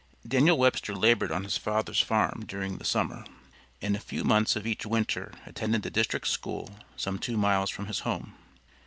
Daniel Webster labored on his father's farm during the summer, and a few months of each winter attended the district school some two miles from his home.